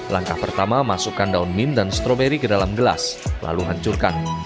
langkah pertama masukkan daun min dan stroberi ke dalam gelas lalu hancurkan